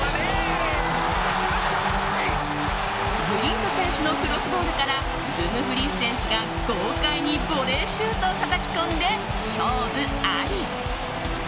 ブリント選手のクロスボールからドゥムフリース選手が豪快にボレーシュートをたたき込んで勝負あり。